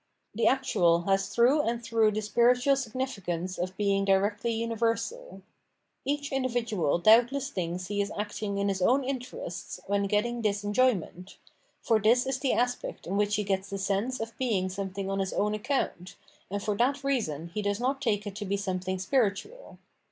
The actual has through and through the spiritual significance of being directly universal. Each individual doubtless thinks he is acting in his own interests when getting this enjoy ment ; for this is the aspect in which he gets the sense of being something on his own account, and for that reason he does not take it to be something spiritual.